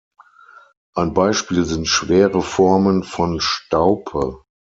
Ein Beispiel sind schwere Formen von Staupe.